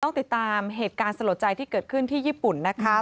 ต้องติดตามเหตุการณ์สลดใจที่เกิดขึ้นที่ญี่ปุ่นนะคะ